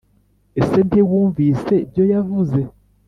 Ese ntiwumvise ibyo yavuze.